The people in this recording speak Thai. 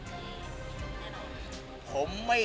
คุณแผนบอกว่าคุณแผนแน่นอน